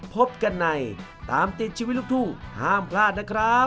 พบกันในตามติดชีวิตลูกทุ่งห้ามพลาดนะครับ